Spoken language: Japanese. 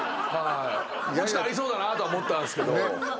もうちょっとありそうだなとは思ったんすけど。